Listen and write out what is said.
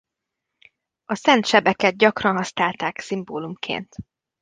A Szent Sebeket gyakran használták szimbólumként.